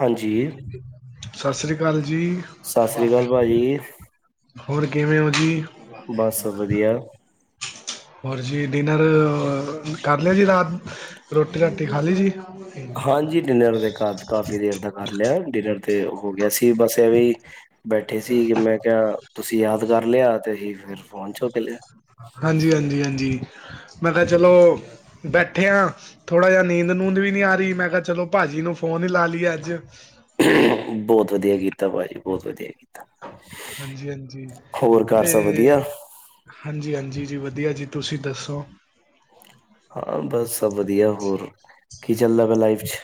ਹਾਂਜੀ, ਸਤਿ ਸ੍ਰੀ ਅਕਾਲ ਜੀ ਸਤਿ ਸ੍ਰੀ ਅਕਾਲ ਭਾਜੀ, ਹੋਰ ਕਿਵੇਂ ਹੋ ਜੀ ਬੱਸ ਵਧੀਆ ਹੋਰ ਜੀ ਡਿਨਰ ਕਰ ਲਿਆ ਜੀ ਰਾਤ, ਰੋਟੀ ਰਾਟੀ ਖਾ ਲਈ ਜੀ। ਹਾਂਜੀ ਡਿਨਰ ਦੇ ਘਰ ਕਾਫ਼ੀ ਦੇਰ ਦਾ ਕਰ ਲਿਆ, ਡਿਨਰ ਤੇ ਹੋ ਗਿਆ ਸੀ, ਬੱਸ ਐਵੇਂ ਹੀ ਬੈਠੇ ਸੀ, ਕਿ ਮੈਂ ਕਿਹਾ ਤੁਸੀਂ ਯਾਦ ਕਰ ਲਿਆ, ਤੇ ਅਸੀਂ ਫਿਰ ਫੋਨ ਚੁੱਕ ਲਿਆ। ਹਾਂਜੀ ਹਾਂਜੀ ਹਾਂਜੀ, ਮੈਂ ਕਿਹਾ ਚਲੋ, ਬੈਠੇ ਹਾਂ। ਥੋੜ੍ਹਾ ਜਿਹਾ ਨੀਂਦ ਨੂੰਦ ਵੀ ਨੀ ਆ ਰਹੀ, ਮੈਂ ਕਿਹਾ ਚਲੋ ਭਾਜੀ ਨੂੰ ਫੋਨ ਹੀ ਲਾ ਲਈਏ ਅੱਜ। ਬਹੁਤ ਵਧੀਆ ਕੀਤਾ ਕੀਤਾ, ਭਾਜੀ ਬਹੁੱਤ ਵਧੀਆ ਕੀਤਾ, ਹਾਂਜੀ ਹਾਂਜੀ ਹੋਰ ਘਰ ਤੇ ਸਭ ਵਧੀਆ। ਹਾਂਜੀ ਹਾਂਜੀ ਜੀ ਵਧੀਆ ਜੀ, ਤੁਸੀਂ ਦੱਸੋ। ਹਾਂ ਬਸ ਸਭ ਵਧੀਆ, ਹੋਰ ਕੀ ਚੱਲਦਾ ਪਿਆ ਲਾਈਫ ਚੱ।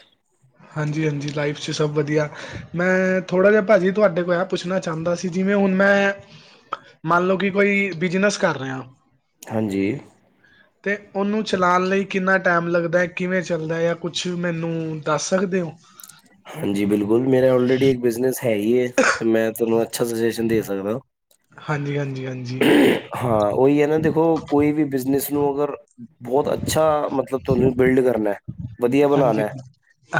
ਹਾਂਜੀ ਹਾਂਜੀ ਲਾਈਫ 'ਚੱ ਸੱਭ ਵਧੀਆ। ਮੈਂ ਥੋੜ੍ਹਾ ਜਿਹਾ ਭਾਜੀ ਤੁਹਾਡੇ ਕੋਲ ਆ ਪੁੱਛਣਾ ਚਾਹੁੰਦਾ ਸੀ, ਜਿਵੇਂ ਹੁਣ ਮੈਂ ਮੰਨ ਲਓ, ਕੀ ਕੋਈ ਬਿਜ਼ਨਸ ਕਰ ਰਿਹੇ ਹਾਂ। ਹਾਂਜੀ ਤੇ ਉਹਨੂੰ ਚਲਾਉਣ ਲਈ ਕਿੰਨਾ ਟਾਈਮ ਲੱਗਦਾ, ਕਿਵੇਂ ਚੱਲਦਾ ਐ, ਕੁੱਛ ਮੈਨੂੰ ਦੱਸ ਸਕਦੇ ਹੋ। ਹਾਂਜੀ ਬਿਲਕੁਲ ਮੇਰਾ ਆਲਰੇਡੀ ਇੱਕ ਬਿਜ਼ਨਸ ਹੈ ਹੀ ਐ, ਤੇ ਮੈਂ ਤੁਹਾਨੂੰ ਅੱਛਾ ਸਜੀਸ਼ਨ ਦੇ ਸਕਦਾ। ਹਾਂਜੀ ਹਾਂਜੀ ਹਾਂਜੀ ਹਾਂ ਉਹੀ ਹੈ ਨਾ, ਦੇਖੋ ਕੋਈ ਵੀ ਬਿਜ਼ਨਸ ਨੂੰ ਅਗਰ ਬਹੁਤ ਅੱਛਾ ਮਤਲਬ ਤੁਹਾਨੂੰ ਬਿਲਡ ਕਰਨਾ ਵਧੀਆ ਹਾਂਜੀ ਬਨਾਨਾ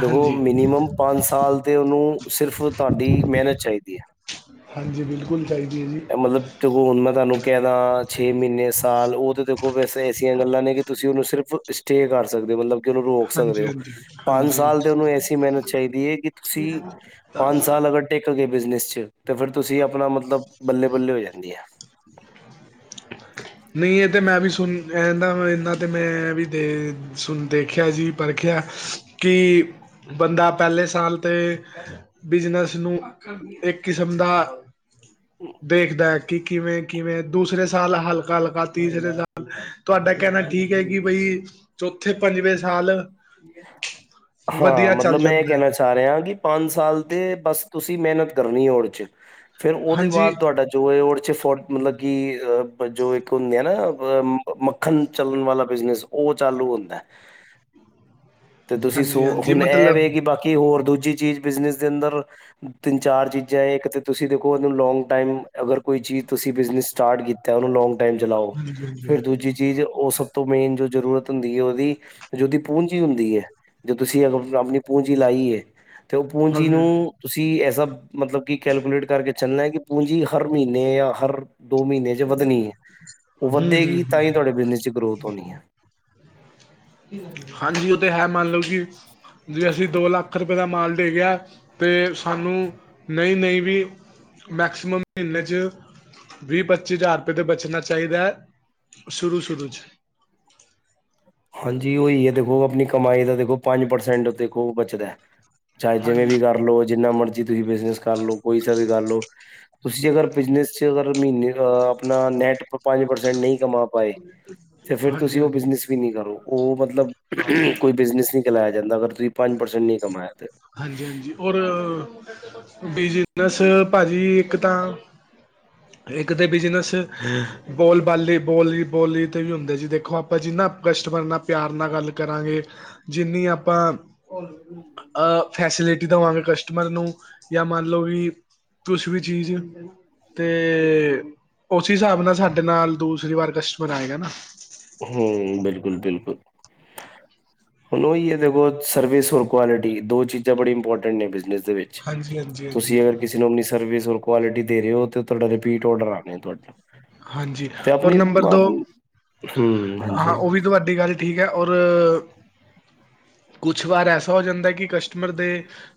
ਤੇ ੳਹ ਮਿਨੀਮਮ ਪੰਜ ਸਾਲ ਤੇ ਉਹਨੂੰ ਸਿਰਫ ਤੁਹਾਡੀ ਮਿਹਨਤ ਚਾਹੀਦੀ ਹੈ ਹਾਂਜੀ ਬਿਲਕੁਲ ਚਾਹੀਦੀ ਹੈ ਜੀ ਇਹ ਮਤਲਬ ਦੇਖੋ ਹੁਣ ਮੈਂ ਤੁਹਾਨੂੰ ਕਹਿ ਦਾ ਛੇ ਮਹੀਨੇ ਸਾਲ ਉਹ ਤਾਂ ਦੇਖੋ ਵੈਸੇ ਐਸੀਆਂ ਗੱਲਾਂ ਨੇ ਕਿ ਤੁਸੀਂ ਉਹਨੂੰ ਸਿਰਫ ਸਟੇ ਕਰ ਸਕਦੇ ਹੋ ਮਤਲਬ ਉਹਨੂੰ ਰੋਕ ਸਕਦੇ ਹਾਂਜੀ ੳ ਹਾਂਜੀ ਪੰਜ ਹਾਂਜੀ ਸਾਲ ਤੇ ਉਹਨੂੰ ਐਸੀ ਮਿਹਨਤ ਚਾਹੀਦੀ ਹੈ ਕਿ ਤੁਸੀਂ ਪੰਜ ਸਾਲ ਅਗਰ ਟਿਕ ਗਏ ਬਿਜਨਸ ਚ ਤਾਂ ਫੇਰ ਤੁਸੀਂ ਅਪਨਾ ਮਤਲਬ ਬੱਲੇ ਬੱਲੇ ਹੋ ਜਾਂਦੀ ਹੈ [inaudible] ਨਹੀਂ ਇਹ ਤੇ ਮੈਂ ਵੀ ਸੁਨ ਇਹਦਾ ਇਨਾ ਤੇ ਮੈਂ ਵੀ ਦੇ ਸੁਨ ਦੇਖਿਆ ਜੀ ਪਰਖਿਆ ਕਿ ਬੰਦਾ ਪਹਿਲੇ ਸਾਲ ਤੇ ਬਿਜਨਸ ਨੂੰ ਇੱਕ ਕਿਸਮ ਦਾ ਦੇਖਦਾ ਏ ਕਿਵੇਂ ਕਿਵੇਂ ਦੂਸਰੇ ਸਾਲ ਹਲਕਾ ਹਲਕਾ ਤੀਸਰੇ ਸਾਲ ਤੁਹਾਡਾ ਕਹਿਨਾ ਠੀਕ ਹੈ ਕਿ ਬਈ ਚੌਥੇ ਪੰਜਵੇਂ ਸਾਲ ਵਧੀਆ ਚੱਲ ਜਾਂਦਾ ਕਿਹ ਰਿਹਾ ਕਿ ਪੰਜ ਸਾਲ ਤੇ ਬਸ ਤੁਸੀਂ ਮਿਹਨਤ ਕਰਨੀ ਉਹ ਚ ਫੇਰ ਉਹਦੇ ਹਾਂਜੀ ਬਾਅਦ ਤੁਹਾਡਾ ਜੋ ਰ ਫੋਰਟ ਮਤਲਬ ਕਿ ਜੋ ਇੱਕ ਹੁੰਦੇ ਆ ਨਾ ਮੱਖਣ ਚੱਲਨ ਵਾਲਾ ਬਿਜਨਸ ਉਹ ਚਾਲੂ ਹੁੰਦਾ ਤੇ ਤੁਸੀਂ ਸੋ ਹਾਂਜੀ ਹਾਂਜੀ ਹੁਨ ਇਹ ਮਤਲਬ ਵੇ ਕਿ ਬਾਕੀ ਹੋਰ ਦੂਜੀ ਚੀਜ਼ ਬਿਜਨਸ ਦੇ ਅੰਦਰ ਤਿੰਨ ਚਾਰ ਚੀਜ਼ਾਂ ਇੱਕ ਤੁਸੀਂ ਦੇਖੋ ਉਹਨੂੰ ਲੌਂਗ ਟਾਈਮ ਅਗਰ ਕੋਈ ਚੀਜ਼ ਤੁਸੀਂ ਬਿਜਨਸ ਸਟਾਰਟ ਕੀ ਤੇ ਉਹਨੂੰ ਲੌਗ ਟਾਈਮ ਚਲਾਓ ਹਾਂਜੀ ਹਾਂਜੀ ਫੇਰ ਦੂਜੀ ਚੀਜ਼ ਉਹ ਸਭ ਤੋਂ ਮੇਨ ਜੋ ਜ਼ਰੂਰਤ ਹੁੰਦੀ ਹੈ ਉਹਦੀ ਜਦ ਪੂੰਜੀ ਹੁੰਦੀ ਏ ਜੇ ਤੁਸੀਂ ਅਗਰ ਆਪਨੀ ਪੂੰਜੀ ਲਾਈ ਹੈ ਤੇ ਉਹ ਪੂੰਜੀ ਹਾਂਜੀ ਹਮ ਨੂੰ ਤੁਸੀਂ ਐਸਾ ਮਤਲਬ ਕਿ ਕੈਲਕੂਲੇਟ ਕਰਕੇ ਚੱਲਨਾ ਕਿ ਪੂੰਜੀ ਹਰ ਮਹੀਨੇ ਜਾਂ ਹਰ ਦੋ ਮਹੀਨੇ ਵਧਣੀ ਏ ਉਹ ਵੱਧੇਗੀ ਤਾਂ ਹੀ ਹਮ ਤੁਹਾਡੇ ਬਿਜਨਸ ਚ ਗਰੋਥ ਹੋਨੀ ਹੈ ਹਾਂਜੀ ਉਹ ਤੇ ਹੈ ਮੰਨ ਲਓ ਕਿ ਜੇ ਅਸੀਂ ਦੋ ਲੱਖ ਰੁਪਏ ਦਾ ਮਾਲ ਭੇਜਿਆ ਤੇ ਸਾਨੂੰ ਨਹੀਂ ਨਹੀਂ ਵੀ ਮੈਕਸਿਮਮ ਮਹੀਨੇ 'ਚ ਵੀਹ ਪੱਚੀ ਹਜ਼ਾਰ ਰੁਪਏ ਤੋਂ ਬਚਨਾ ਚਾਹੀਦਾ ਸ਼ੁਰੂ ਸ਼ੁਰੂ ਚ ਹਾਂਜੀ ਉਹੀ ਹੈ ਦੇਖੋ ਅਪਨੀ ਕਮਾਈ ਦਾ ਦੇਖੋ ਪੰਜ ਪਰਸੈਂਟ ਦੇਖੋ ਬਚਦਾ ਚਾਹੇ ਜਿਵੇਂ ਹਾਂਜੀ ਵੀ ਕਰ ਲੋ ਜਿੰਨਾ ਮਰਜ਼ੀ ਤੁਸੀਂ ਬਿਜਨਸ ਕਰ ਲਓ ਕੋਈ ਸਾ ਵੀ ਕਰ ਲਓ ਤੁਸੀ ਅਗਰ ਬਿਜਨਸ ਚ' ਅਗਰ ਮਹੀਨੇ ਦਾ ਆਪਨਾ ਨੈਟ ਪੰਜ ਪਰਸੈਂਟ ਨਹੀਂ ਕਮਾ ਪਾਏ ਤੇ ਫਿਰ ਹਾਂਜੀ ਤੁਸੀਂ ਉਹ ਹਾਂਜੀ ਬਿਜਨਸ ਵੀ ਨਹੀਂ ਕਰੋ ਉਹ ਮਤਲਬ ਕੋਈ ਬਿਜਨਸ ਨਹੀਂ ਚਲਾਇਆ ਜਾਂਦਾ ਅਗਰ ਤੁਸੀਂ ਪੰਜ ਪਰਸੈਂਟ ਨਹੀਂ ਕਮਾਇਆ ਤੇ ਹਾਂਜੀ ਹਾਂਜੀ ਔਰ ਬਿਜਨਸ ਭਾਜੀ ਇੱਕ ਤਾਂ ਇੱਕ ਤੇ ਬਿਜ਼ਨਸ ਬੋਲਬਾਲੇ ਬੋਲੀ ਬੋਲੀ ਤੇ ਵੀ ਹੁੰਦੇ ਜੀ ਦੇਖੋ ਆਪਾਂ ਜਿੰਨਾ ਕਸਟਮਰ ਨਾਲ ਪਿਆਰ ਨਾਲ ਗੱਲ ਕਰਾਂਗੇ ਜਿੰਨੀ ਆਪਾਂ ਅ ਫੈਸਿਲਿਟੀ ਦੇਵਾਂਗੇ ਕਸਟਮਰ ਨੂੰ ਜਾਂ ਮੰਨ ਲਓ ਵੀ ਕੁਜ ਵੀ ਚੀਜ਼ ਤੇ ਉਸ ਹਿਸਾਬ ਨਾਲ ਸਾਡੇ ਨਾਲ ਦੂਸਰੀ ਵਾਰ ਕਸਟਮਰ ਆਏਗਾ ਨਾ ਹੁ ਬਿਲਕੁਲ ਬਿਲਕੁਲ ਹੁਣੋ ੳਹੀ ਹੈ ਦੇਖੋ ਸਰਵਿਸ ਔਰ ਕੁਆਲਿਟੀ ਦੋ ਚੀਜ਼ਾਂ ਬੜੀ ਇੰਪੋਰਟੈਂਟ ਨੇ ਬਿਜ਼ਨਸ ਦੇ ਵਿੱਚ ਹਾਂਜੀ ਹਾਂਜੀ ਹਾਂਜੀ ਤੁਸੀਂ ਅਗਰ ਕਿ ਤੁਸੀ ਆਪ ਸਰਵਿਸ ਔਰ ਕੁਆਲਿਟੀ ਦੇ ਰਹੇ ਹੋ ਤੁਹਾਡਾ ਰਿਪੀਟ ਔਡਰ ਆਨਾ ਤੁਹਾਡਾ ਹਾਂਜੀ ਔਰ ਨੰਬਰ ਦੋ ਹੂੰ, ਹਾਂਜੀ, ਹਾਂ ਉਹ ਵੀ ਤੁਹਾਡੀ ਗੱਲ ਠੀਕ ਹੈ ਔਰ ਕੁਛ ਵਾਰ ਐਸਾ ਹੋ ਜਾਂਦਾ ਕਿ ਕਸਟਮਰ ਦੇ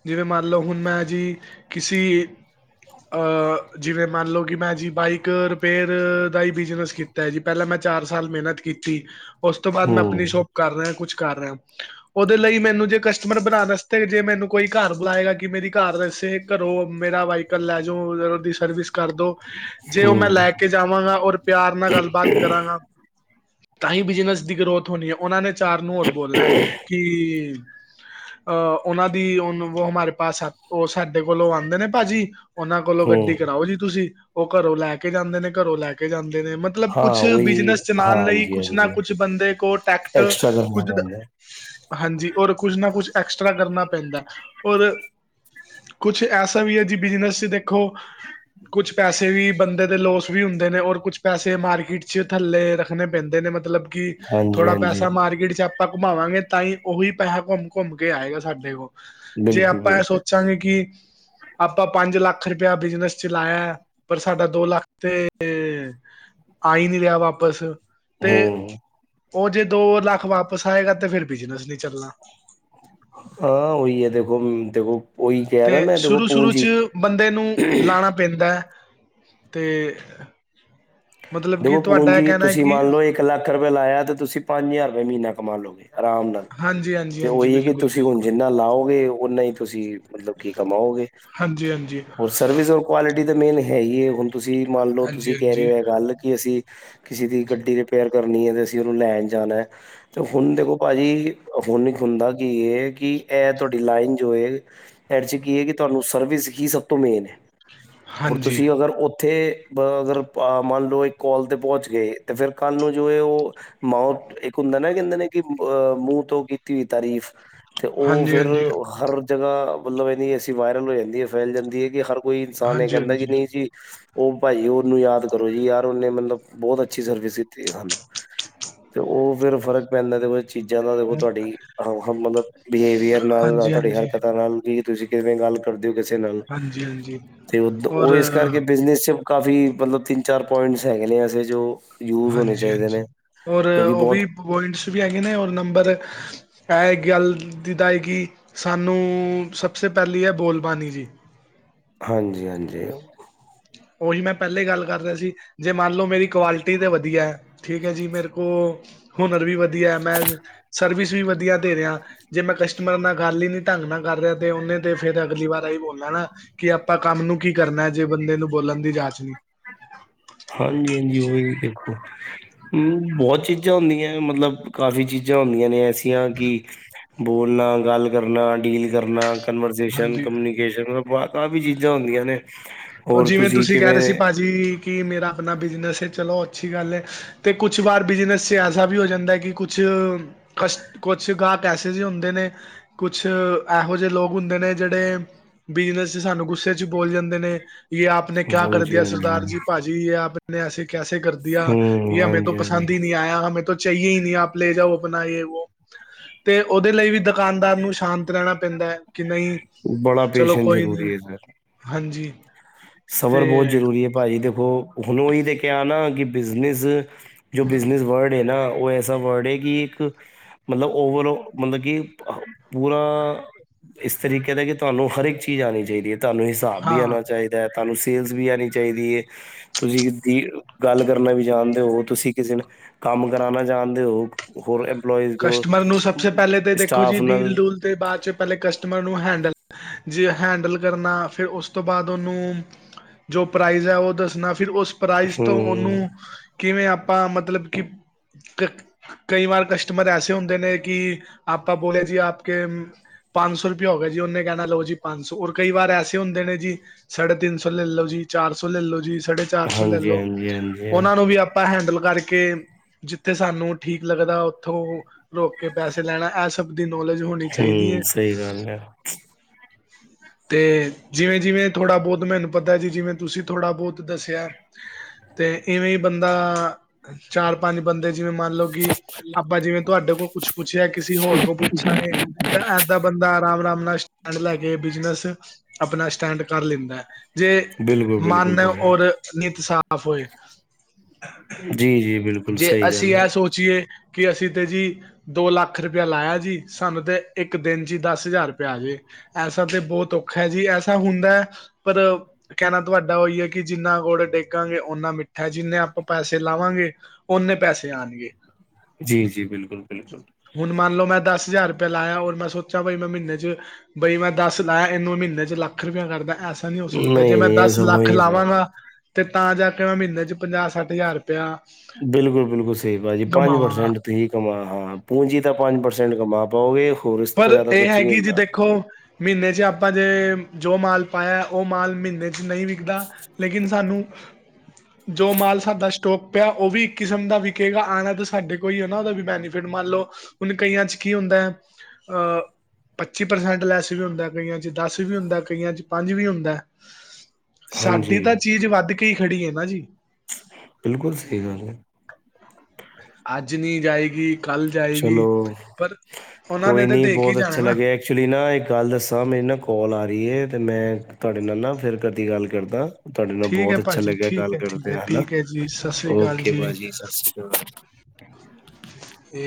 ਜਿਵੇਂ ਮੰਨ ਲਓ ਹੁਨ ਮੈਂ ਜੀ ਕਿਸੀ ਅ ਜਿਵੇਂ ਮੰਨ ਲਉ ਕਿ ਮੈਂ ਜੀ ਬਾਈਕ ਪੇਰ ਦਾ ਹੀ ਬਿਜਨਸ ਕੀਤਾ ਜੀ ਪਹਿਲਾਂ ਮੈਂ ਚਾਰ ਸਾਲ ਮਿਹਨਤ ਕੀਤੀ ਉਸ ਤੋਂ ਬਾਅਦ ਮੈਂ ਆਪਣੀ ਹੂੰ, ਸ਼ੋਪ ਕਰ ਰਿਹਾ, ਕੁਛ ਕਰ ਰਿਹਾ। ਉਹਦੇ ਲਈ ਮੈਨੂੰ ਜੇ ਕਸਟਮਰ ਬਣਾਉਣ ਵਾਸਤੇ, ਜੇ ਮੈਨੂੰ ਕੋਈ ਘਰ ਬੁਲਾਏਗਾ, ਕਿ ਮੇਰੀ ਘਰਸੇ ਘਰੋਂ ਮੇਰਾ ਵਾਈ। ਲੈ ਜਾਓ, ਉਹਦੀ ਸਰਵਿਸ ਕਰਦੋ, ਜੇ ਉਹ ਮੈਂ ਹੂੰ, ਲੈ ਕੇ ਕੇ ਜਾਵਾਂਗਾ, ਔਰ ਪਿਆਰ ਨਾਲ ਗੱਲਬਾਤ ਕਰਾਂਗਾ, ਤਾਂ ਹੀ ਬਿਜਨਸ ਦੀ ਗਰੋਥ ਹੋਣੀ ਹੈ ਉਹਨਾਂ ਨੇ ਚਾਰ ਨੂੰ ਹੋਰ ਬੋਲਣਾ ਕਿ ਅ ਉਹਨਾਂ ਦੀ ਉਹਨ ਹਮਾਰੇ ਪਾਸ ਉਹ ਸਾਡੇ ਕੋਲੋਂ ਆਂਦੇ ਨੇ ਭਾਜੀ ਉਹਨਾਂ ਕੋਲੋਂ ਗੱਡੀ ਹੂੰ। ਕਰਾਓ ਜੀ ਤੁਸੀਂ ਉਹ ਘਰੋਂ ਲੈ ਕੇ ਜਾਂਦੇ ਨੇ ਘਰੋਂ ਲੈ ਕੇ ਜਾਂਦੇ ਨੇ ਮੈ ਮਤਲਬ ਹਾਂ, ਕੁਛ ਉਹੀ ਬਿਜਨਸ ਚਲਾਉਣ ਲਈ, ਹਾਂਜੀ, ਕੁਛ ਨਾ ਹਾਂਜੀ ਕੁਛ ਬੰਦੇ ਕੋ ਟੈਕਟ ਐਕਸਟਰਾ ਕਰਨਾ ਕੁਛ ਪੈਂਦਾ। ਹਾਂਜੀ, ਔਰ ਕੁੱਝ ਨਾ ਕੁਛ ਐਕਸਟਰਾ ਕਰਨਾ ਪੈਂਦਾ ਔਰ ਕੁਛ ਐਸਾ ਵੀ ਹੈ ਜੀ, ਬਿਜਨਸ ਚ ਦੇਖੋ ਕੁਛ ਪੈਸੇ ਵੀ ਬੰਦੇ ਦੇ ਲੋਸ ਵੀ ਹੁੰਦੇ ਨੇ ਕੁਛ ਪਸੇ ਮਾਰਕੀਟ 'ਚ ਥੱਲੇ ਰੱਖਣੇ ਪੈਂਦੇ ਨੇ ਮਤਲਬ ਕੀ ਹਾਂਜੀ, ਥੋੜਾ ਹਾਂਜੀ, ਪੈਸਾ ਮਾਰਕੀਟ ਚ ਆਪ ਆਪਾਂ ਘੁੰਮਾਵਾਂਗੇ, ਤਾਂ ਹੀ ਉਹੀ ਪੈਸਾ ਘੁੰਮ-ਘੁੰਮ ਕੇ ਆਏਗਾ, ਸਾਡੇ ਕੋਲ ਜੇ ਬਿਲਕੁਲ, ਆਪਾਂ ਇਹ ਬਿਲਕੁਲ ਸੋਚਾਂਗੇ ਕਿ ਆਪਾਂ ਪੰਜ ਲੱਖ ਰੁਪਇਆ ਬਿਜਨਸ ਚਲਾਇਆ, ਪਰ ਸਾਡਾ ਦੋ ਲੱਖ ਤੇ ਆਈ ਨਹੀਂ ਰਿਹਾ ਵਾਪਿਸ ਤੇ, ਹੂੰ। ਉਹ ਜੇ ਦੋ ਲੱਖ ਵਾਪਸ ਆਏਗਾ, ਤੇ ਫੇਰ ਬਿਜਨਸ ਨਹੀਂ ਚੱਲਣਾ। ਹਾਂ ਉਹੀ ਹੈ ਦੇਖੋ-ਦੇਖੋ। ਤੇ ਸ਼ੁਰੂ-ਸ਼ੁਰੂ ਚ ਬੰਦੇ ਨੂੰ ਲਾਣਾ ਪੈਂਦਾ ਹੈ, ਤੇ ਮਤਲਬ ਕਿ ਦੇਖੋ ਤੁਹਾਡਾ ਇਹ ਪੂੰਨਜੀ ਕਹਿਣਾ ਹੈ ਤੁਸੀਂ ਕਿ ਮੰਨ ਲਓ, ਇੱਕ ਲੱਖ ਰੁਪਏ ਲਾਇਆ ਤੇ ਤੁਸੀਂ ਪੰਜ ਹਜ਼ਾਰ ਰੁਪਏ ਮਹੀਨਾ ਕਮਾ ਲਓਗੇ, ਆਰਾਮ ਨਾਲ ਹਾਂਜੀ ਹਾਂਜੀ ਤੇ ਹਾਂਜੀ ਉਹੀ ਹੈ ਕਿ, ਬਿਲਕੁਲ ਤੁਸੀਂ ਹੁਣ ਬਿਲਕੁਲ ਜਿੰਨਾ ਲਾਓਗੇ, ਓਨਾ ਹੀ ਤੁਸੀਂ ਮਤਲਬ ਕੀ ਕਮਾਓਗੇ। ਹਾਂਜੀ-ਹਾਂਜੀ, ਹੋਰ ਸਰਵਿਸ ਔਰ ਕੁਆਲਿਟੀ ਤਾਂ ਮੇਨ ਹੈ ਹੀ ਹੈ, ਹੁਣ ਤੁਸੀਂ ਮੰਨ ਲਓ ਹਾਂਜੀ ਤੁਸੀਂ ਕਹਿ ਰਹੇ ਹਾਂਜੀ ਹੋ ਹੈ ਗੱਲ। ਕਿ ਅਸੀਂ ਕਿਸੇ ਦੀ ਗੱਡੀ ਰਿਪੇਅਰ ਕਰਨੀ ਹੈ, ਤੇ ਅਸੀਂ ਉਹਨੂੰ ਲੈਣ ਜਾਣਾ। ਅਤੇ ਹੁਣ ਦੇਖੋ ਭਾਂਜੀ ਹੁਨ, ਇੱਕ ਹੁੰਦਾ ਕੀ ਇਹ ਕਿ ਇਹ ਤੁਹਾਡੀ ਲਾਈਨ ਜੋ ਹੈ। ਐਡ 'ਚ ਕੀ ਹੈ ਕਿ, ਤੁਹਾਨੂੰ ਸਰਵਿਸ ਹੀ ਸਭ ਤੋਂ ਮੇਨ ਹੈ। ਹੁਣ ਹਾਂਜੀ ਤੁਸੀਂ, ਅਗਰ ਉੱਥੇ ਆ ਅਗਰ ਆ ਮੰਨ ਲਓ ਇੱਕ ਕੌਲ ਤੇ ਪਹੁੰਚ ਗਏ, ਤੇ ਫਿਰ ਕੱਲ੍ਹ ਨੂੰ ਜੋ ਹੈ ਉਹ ਮੌਤਾਂ ਇੱਕ ਹੁੰਦਾ ਨਾ ਕਹਿੰਦੇ ਨੇ, ਕਿ ਅਹ ਮੂੰਹ ਤੋਂ ਕੀਤੀ ਹੋਈ ਤਾਰੀਫ਼ ਤੇ ਉਹ ਹਾਂਜੀ ਫੇਰ ਹਾਂਜੀ ਹਰ ਜਗ੍ਹਾ, ਮਤਲਬ ਇਨੀ ਐਸੀ ਵਾਇਰਲ ਹੋ ਜਾਂਦੀ ਹੈ ਫੈਲ ਜਾਂਦੀ ਹੈ, ਕਿ ਹਰ ਕੋਈ ਇਨਸਾਨ ਇਹ ਹਾਂਜੀ ਕਹਿੰਦਾ ਕਿ, ਹਾਂਜੀ ਨਹੀਂ ਜੀ ਉਹ ਭਾਈ ਉਹਨੂੰ ਯਾਦ ਕਰੋ ਜੀ ਯਾਰ। ਉਹਨੇ ਮਤਲਬ ਬਹੁਤ ਅੱਛੀ ਸਰਵਿਸ ਦਿੱਤੀ, ਸਾਨੂੰ ਤੇ ਉਹ ਫੇਰ ਫਰਕ ਪੈਂਦਾ ਤੇ। ਚੀਜ਼ਾਂ ਨਾਲ ਦੇਖੋ, ਤੁਹਾਡੀ ਮਤਲਬ ਬਿਹੇਵੀਅਰ ਨਾਲ ਹਾਂਜੀ ਤੁਹਾਡੀ ਹਾਂਜੀ ਹਰਕਤਾਂ ਨਾਲ ਕੀ ਤੁਸੀਂ ਕਿਵੇਂ ਗੱਲ ਕਰਦੇ ਹੋ, ਕਿਸੇ ਨਾਲ ਹਾਂਜੀ ਹਾਂਜੀ ਤੇ ਉਹ ਇਸ ਔਰ ਕਰਕੇ ਬਿਜਨਸ ਚ ਕਾਫੀ ਮਤਲਬ ਤਿੰਨ ਚਾਰ ਪੁਆਇੰਟਸ ਹੈਗੇ ਨੇ, ਅਸੀਂ ਜੋ ਯੂਜ ਹੋਣੇ ਹਾਂਜੀ ਚਾਹੀਦੇ ਹਾਂਜੀ ਨੇ, ਔਰ ਜੋਕਿ ਉਹ ਬਹੁਤ ਵੀ ਪੁਆਇੰਟਸ ਵੀ ਹੈਗੇ ਨੇ, ਹੋਰ ਨੰਬਰ ਇਹ ਗੱਲ ਦੀ ਦਾਏ ਕਿ, ਸਾਨੂੰ ਸਬਸ ਪਹਿਲੀ ਹੈ ਬੋਲਬਾਣੀ ਜੀ। ਹਾਂਜੀ-ਹਾਂਜੀ, ਉਹੀ ਮੈਂ ਪਹਿਲੇ ਗੱਲ ਕਰ ਰਿਹਾ ਸੀ ਜੇ ਮੰਨ ਲਓ, ਮੇਰੀ ਕੁਆਲਿਟੀ ਤੇ ਵਧੀਆ ਹੈ। ਠੀਕ ਹੈ ਜੀ, ਮੇਰੇ ਕੋਲ ਹੁਨਰ ਵੀ ਵਧੀਆ, ਮੈਂ ਸਰਵਿਸ ਵੀ ਵਧੀਆ ਦੇ ਰਿਹਾ। ਜੇ ਮੈਂ ਕਸਟਮਰ ਨਾਲ ਗੱਲ ਹੀ ਨੀ ਢੰਗ ਨਾਲ ਕਰ ਰਿਹਾ, ਤੇ ਉਹਨੇ ਤੇ ਫੇਰ ਅਗਲੀ ਵਾਰ ਇਹੀ ਬੋਲਿਆ ਨਾ। ਕਿ ਆਪਾਂ ਕੰਮ ਨੂੰ ਕੀ ਕਰਨਾ, ਜੇ ਬੰਦੇ ਨੂੰ ਬੋਲਣ ਦੀ ਜਾਂਚ ਨਹੀਂ। ਹਾਂਜੀ-ਹਾਂਜੀ, ਉਹੀ ਬਿਲਕੁਲ ਹੂੰ, ਬਹੁਤ ਚੀਜ਼ਾਂ ਹੁੰਦੀਆਂ, ਮਤਲਬ ਕਾਫ਼ੀ ਚੀਜ਼ਾਂ ਹੁੰਦੀਆਂ ਨੇ। ਕਿ ਬੋਲਣਾ ਗੱਲ ਕਰਨਾ, ਡੀਲ ਕਰਨਾ ਕਨਵਰੇਸ਼ਨ ਹਾਂਜੀ ਕਰਨੀ। ਮਤਲਬ, ਕਾਫੀ ਚੀਜ਼ਾਂ ਹੁੰਦੀਆਂ ਨੇ। ਹੋਰ ਜਿਵੇਂ ਤੁਸੀਂ ਕਹਿ ਰਹੇ ਕਿਵੇਂ ਸੀ, ਭਾਜੀ ਕਿ ਮੇਰਾ ਆਪਣਾ ਬਿਜਨਸ ਹੈ, ਚਲੋ ਅੱਛੀ ਗੱਲ ਹੈ। ਅਤੇ ਕੁਛ ਵਾਰ ਬਿਜਨਸ 'ਚ ਐਸਾ ਵੀ ਹੋ ਜਾਂਦਾ ਹੈ, ਕਿ ਕੁਛ ਕਸ਼ ਕੁਛ ਗਾਹਕ ਏਸੇ ਜੇ ਹੁੰਦੇ ਨੇ ਕੁਛ ਇਹੋ ਜਿਹੇ ਲੋਕ ਹੁੰਦੇ ਨੇ ਜਿਹੜੇ ਬਿਜਨਸ ਚ ਸਾਨੂੰ ਗੁੱਸੇ ਚ ਬੋਲ ਜਾਂਦੇ ਨੇ ਯੇ ਆਪ ਨੇ ਕਿਆ ਹਾਂਜੀ ਕਰਦਿਆ ਹਾਂਜੀ ਸਰਦਾਰ ਜੀ ਪਾਜੀ ਜੀ ਯੇ ਆਪਨੇ ਐਸੇ ਕੈਸੇ ਕਰਦਿਆ ਹਮ ਯੇਹ ਹਮੇ ਤੌ ਹਾਂਜੀ ਹਾਂਜੀ ਪਸੰਦ ਹੀ ਨਹੀਂ ਆਇਆ ਹਮੇ ਤੋ ਦੀ ਚਾਹੀਏ ਹੀ ਨਹੀਂ ਆਪ ਲੈ ਜਾਓ ਅਪਨਾ ਯੇ ਵੋ ਤੇ ਉਹਦੇ ਲਈ ਵੀ ਦੁਕਾਨਦਾਰ ਨੂੰ ਸ਼ਾਂਤ ਰਹਿਣਾ ਪੈਂਦੈ ਕਿ ਨਹੀਂ ਬੜਾ ਚਲੋ ਪੇਸ਼ੈਂਸ ਕੋਈ ਨੀ ਜ਼ਰੂਰੀ ਹੈ ਸਰ ਹਾਂਜੀ। ਤੇ ਸਬਰ ਬਹੁਤ ਜ਼ਰੂਰੀ ਹੈ ਭਾਜੀ ਦੇਖੋ, ਹੁਣ ਉਹੀ ਦੇ ਕਿਹਾ ਨਾ ਕਿ ਬਿਜਨਸ ਜੋ ਬਿਜਨਸ ਵਰਡ ਏ ਨਾ, ਉਹ ਐਸਾ ਵਰਡ ਏ ਕਿ ਇੱਕ ਮਤਲਬ ਓਵਰਔ ਮਤਲਬ ਕਿ ਪੂਰਾ ਇਸ ਤਰੀਕੇ ਦਾ ਕਿ ਤੁਹਾਨੂੰ ਹਰ ਇੱਕ ਚੀਜ਼ ਆਣੀ ਚਾਹੀਦੀ ਏ ਤੁਹਾਨੂੰ ਹਿਸਾਬ ਵੀ ਹਾਂ ਆਂਣਾ ਚਾਹੀ ਐ ਤੁਹਾਨੂੰ ਸੇਲਸ ਵੀ ਆਣੀ ਚਾਹੀਦੀ ਏ ਤੁਸੀਂ ਦੀ ਗੱਲ ਕਰਨਾ ਵੀ ਜਾਣਦੇ ਹੋ ਤੁਸੀਂ ਕਿਸੇ ਨੇ ਕੰਮ ਕਰਾਣਾ ਜਾਣਦੇ ਹੋ ਹੋਰ ਇੰਪਲੋਈਜ਼ ਕਸਟਮਰ ਨੂੰ ਸਭ ਸੇ ਪਹਿਲੇ ਤੇ ਦੇਖੋ ਜੀ ਸਟਾਫ ਡੀਲ ਨਾਲ ਡੂਲ ਤੇ ਬਾਅਦ ਚ ਪਹਿਲੇ ਕਸਟਮਰ ਨੂੰ ਹੈਂਡਲ ਜੇ ਹੈਂਡਲ ਕਰਨਾ ਫਿਰ ਉਸ ਤੋਂ ਬਾਅਦ ਓਹਨੂੰ ਜੋ ਪ੍ਰਾਈਜ਼ ਹੈ ਉਹ ਦੱਸਣਾ ਫਿਰ ਉਸ ਪ੍ਰਾਈਜ਼ ਤੋਂ ਹਮ ਉਹਨੂੰ ਕਿਵੇਂ ਆਪਾਂ ਮਤਲਬ ਕਿ ਕਈ ਵਾਰ ਕਸ਼ ਕਸ਼ਟਮਰ ਐਸੇ ਹੁੰਦੇ ਨੇ ਕਿ ਆਪਾਂ ਬੋਲੇ ਜੀ ਆਪ ਕੇ ਪਾਨਸੋ ਸੌ ਰੁਪਇਆ ਹੋ ਗਿਆ ਜੀ ਉਹਨੇ ਕਹਿਣਾ ਲਓ ਜੀ ਪੰਜ ਸੌ ਰ ਕਈ ਵਾਰ ਐਸੇ ਹੁੰਦੇ ਨੇ ਜੀ ਸਾਢੇ ਤਿੰਨ ਸੌ ਲੈਲੋ ਜੀ ਚਾਰ ਸੌ ਲੈਲੌ ਜੀ ਸਾਢੇ ਚਾਰ ਸੌ ਹਾਂਜੀ ਲੈਲੌ ਹਾਂਜੀ ਹਾਂਜੀ ਉਹਨਾ ਨੂੰ ਵੀ ਆਪਾ ਆਪਾਂ ਹੈਂਡਲ ਕਰਕੇ ਜਿੱਥੇ ਸਾਨੂੰ ਠੀਕ ਲੱਗਦਾ ਥੋਂ ਰੋਕ ਕੇ ਪੈਸੇ ਲੈਣਾ ਇਹ ਸਭ ਦੀ ਨੌਲੇਜ ਹੋਣੀ ਚਾਹੀਦੀ ਏ ਹਮ [inaudible] ਸਹੀ ਗੱਲ ਹੈ ਤੇ ਜਿਵੇਂ ਜਿਵੇਂ ਥੋੜਾ ਬਹੁਤ ਮੈਨੂੰ ਪਤਾ ਜੀ ਜਿਵੇਂ ਤੁਸੀਂ ਥੋੜਾ ਬਹੁਤ ਦਸਿਆ ਤੇ ਇਵੇਂ ਇ ਬੰਦਾ ਚਾਰ ਪੰਜ ਬੰਦੇ ਜਿਵੇਂ ਮੰਨ ਲਓ ਕਿ ਆਪਾਂ ਜਿਵੇਂ ਤੁਹਾਡੇ ਕੋ ਕੁਛ ਪੁੱਛਿਆ ਕਿਸੇ ਹੋਰ ਕੋ ਪੁੱਛਾਂਗੇ ਤਾਂ ਇਹਦਾ ਬੰਦਾ ਆਰਾਮ ਆਰਾਮ ਨਾਲ ਸਟੈਂਡ ਲੈ ਕੇ ਬਿਜਨਸ ਆਪਣਾ ਸਟੈਂਡ ਕਰ ਲੈਂਦਾ ਜੇ ਬਿਲਕੁਲ ਮਨ ਬਿਲਕੁਲ ਭਾਜੀ ਔਰ ਨਿਤ ਸਾਫ਼ ਹੋਏ, ਜੀ ਜੀ ਬਿਲਕੁਲ ਜੇ ਸਹੀ ਅਸੀਂ ਗੱਲ ਹੈ ਇਹ ਸੋਚੀਏ। ਕਿ ਅਸੀਂ ਤੇ ਜੀ। ਦੋ ਲੱਖ ਰੁਪਿਆ ਲਾਇਆ ਜੀ ਸਾਨੂੰ, ਤੇ ਇੱਕ ਦਿਨ 'ਚ ਹੀ ਦਸ ਹਜਾਰ ਰੁਪਿਆ ਆਜੇ। ਐਸਾ ਤੇ ਬੋਹਤ ਔਖਾ ਹੈ ਜੀ, ਐਸਾ ਹੁੰਦਾ ਹੈ ਪਰ। ਕਹਿਣਾ ਤੁਹਾਡਾ ਉਈ ਹੈ ਕਿ ਜਿੰਨਾ ਗੁੜ ਡੇਗਾਂਗੇ ਓਨਾ ਮਿੱਠਾ ਜਿੰਨੇ ਆਪਾਂ ਪੈਸੇ ਲਾਵਾਂਗੇ ਓਨੇ ਪੈਸੇ ਆਉਣਗੇ। ਜ਼ੀ, ਜ਼ੀ ਬਿਲਕੁਲ, ਬਿਲਕੁਲ। ਹੁਣ ਮੰਨ ਲਓ ਮੈਂ ਦਸ ਹਜ਼ਾਰ ਰੁਪਇ ਲਾਇਆ ਔਰ ਮੈਂ ਸੋਚਾ ਬਈ ਮੈਂ ਮਹੀਨੇ ਚ ਬਈ ਮੈਂ ਦੱਸ ਲਾਇਆ ਇਹਨੂੰ ਮਹੀਨੇ ਚ ਲੱਖ ਰੁਪਇਆ ਕਰਦਾ ਐਸ ਨਹੀਂ ਹੋ ਸਕਦਾ ਜੇ ਨਹੀਂ ਮੈਂ ਨਹੀਂ ਦਾਸ ਐਸਾ ਹੋ ਹੀ ਲਾਖ ਨਹੀਂ ਸਕਦਾ ਲਾਵਾਂਗਾ। ਤੇ ਤਾਂ ਜਾ ਕੇ ਮੈਂ ਮਹੀਨੇ ਚ ਪੰਜਾਹ ਸੱਠ ਹਜ਼ਾਰ ਰੁਪਿਆ ਬਿਲਕੁਲ, ਬਿਲਕੁਲ ਸਹੀ ਪਾਜੀ ਪੰਜ ਪਰਸੈਂਟ ਤੁਸੀਂ ਕਮਾ ਹਾਂ ਪੂੰਜੀ ਤਾਂ ਪੰਜ ਪਰਸੈਂਟ ਕਮਾ ਪਾਓਗੇ। ਹੋਰ ਇਸ ਪਰ ਤੋਂ ਜ਼ਿਆਦਾ ਏਹ ਕੁਛ ਨਹੀਂ ਹੈਗੀ ਜੀ ਹੁੰਦਾ ਦੇਖੋ। ਮਹੀਨੇ ਚ ਆਪਾਂ ਜੇ ਜੋ ਮਾਲ ਪਾਇਆ ਉਹ ਮਾਲ ਮਹੀਨੇ ਚ ਨਹੀਂ ਵਿਕਦਾ। ਲੇਕਿਨ ਸਾਨੂੰ। ਜੋ ਮਾਲ ਸਾਡਾ ਸਟੋਕ ਪਿਆ, ਉਹ ਵੀ ਇੱਕ ਕਿਸਮ ਦਾ ਵਿਕੇਗਾ ਆਣਾ, ਤੇ ਸਾਡੇ ਕੋਇ ਏ ਨਾ, ਉਹਦਾ ਵੀ ਬੈਨੀਫਿਟ ਮੰਨ ਲਉ। ਹੁਣ ਕਈਆਂ ਚ ਕੀ ਹੁੰਦੈ। ਅ ਪੱਚੀ ਪਰਸੈਂਟ ਲੈਸ ਵੀ ਹੁੰਦੈ, ਕਇਆ ਚ ਦਸ ਵੀ ਹੁੰਦੈ, ਕਇਆ ਚ ਪੰਜ ਵੀ ਹੁੰਦੈ। ਸਾਡੀ ਹਾਂਜੀ ਤਾਂ ਚੀਜ਼ ਵੱਧ ਕੇ ਹੀ ਖੜੀ ਏ ਨਾ ਜੀ। ਬਿਲਕੁਲ ਸਹੀ ਗੱਲ ਏ। ਅੱਜ ਨੀ ਜਾਏਗੀ ਕਾਲ ਜਾਏਗੀ ਚਲੋ ਪਰ ਉਹਨਾਂ ਨੇ ਦੇ ਕੇ ਜਾਣੈ ਨਾ। ਚਲੀਨਾ ਏਕ ਗੱਲ ਦੱਸਾਂ ਮੇਰੀ ਨਾ ਕੋਲ ਆ ਰੀ ਏ ਤੇ ਮੈਂ ਤੁਹਾਡੇ ਨਾਲ ਨਾ ਫਿਰ ਕਦੀ ਗੱਲ ਕਰਦਾ। ਤੁਹਾਡੇ ਨਾਲ ਠੀਕ ਹੈ ਬੌਤ ਅੱਛਾ ਭਾਜੀ ਲੱਗਿਆ ਠੀਕ ਗੱਲ ਹੈ ਠੀਕ ਹੈ ਕਰਦੇਆਂ ਹਨਾ ਠੀਕ ਹੈ ਜੀ ਸਤਿ ਸ੍ਰੀ ਅਕਾਲ ਓਕੇ ਜੀ ਭਾਜੀ ਸਤ ਸ੍ਰੀ ਕਾਲ। ਇਹ